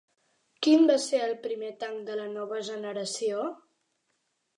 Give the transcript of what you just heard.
Quin va ser el primer tanc de la nova generació?